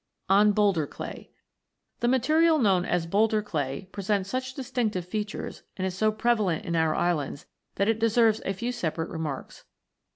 ON BOULDER CLAY The material known as Boulder Clay presents such distinctive features, and is so prevalent in our islands, that it deserves a few separate remarks.